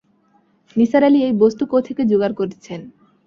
নিসার আলি এই বস্তু কেথেকে জোগাড় করেছেন।